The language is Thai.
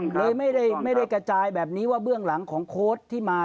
เลยไม่ได้กระจายแบบนี้ว่าเบื้องหลังของโค้ดที่มา